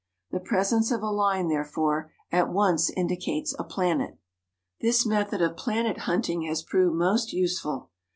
The presence of a line, therefore, at once indicates a planet. This method of planet hunting has proved most useful.